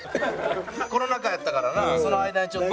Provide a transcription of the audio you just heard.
コロナ禍やったからなその間にちょっと。